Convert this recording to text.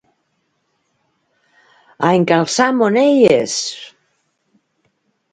A encalçar moneies!